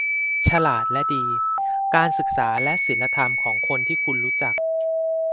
ฉลาดและดี : การศึกษาและศีลธรรมของคนที่คุณรู้จัก